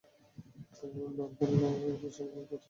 কারণ, Norman Osborn বছর কয়েক আগে মারা গেছে।